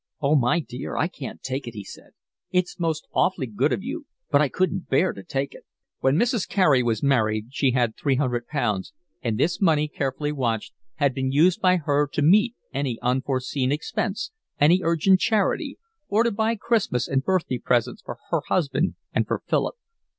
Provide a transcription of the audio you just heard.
"Oh, my dear, I can't take it," he said. "It's most awfully good of you, but I couldn't bear to take it." When Mrs. Carey was married she had three hundred pounds, and this money, carefully watched, had been used by her to meet any unforeseen expense, any urgent charity, or to buy Christmas and birthday presents for her husband and for Philip.